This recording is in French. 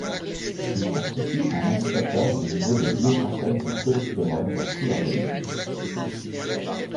Il constitue un indicateur du niveau de biosynthèse du cholestérol dans tout l'organisme.